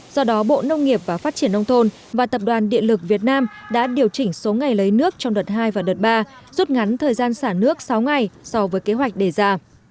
do đó bộ nông nghiệp và phát triển nông thôn và tập đoàn điện lực việt nam đã điều chỉnh số ngày lấy nước trong đợt hai và đợt ba rút ngắn thời gian xả nước sáu ngày so với kế hoạch đề ra